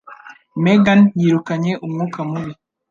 Megan yirukanye umwuka mubi.